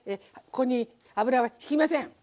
ここに油はひきません。